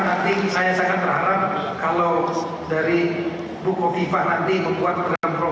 lembaga pemerintah yang terbesar polri